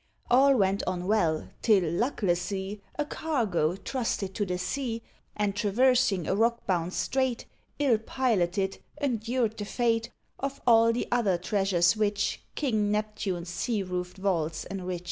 All went on well, till, lucklessly, A cargo, trusted to the sea, And traversing a rock bound strait, Ill piloted, endured the fate Of all the other treasures which King Neptune's sea roofed vaults enrich.